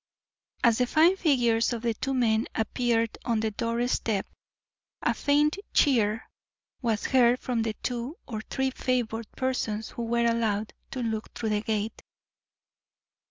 As the fine figures of the two men appeared on the doorstep, a faint cheer was heard from the two or three favoured persons who were allowed to look through the gate.